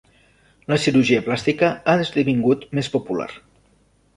La cirurgia plàstica ha esdevingut més popular.